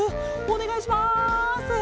おねがいします。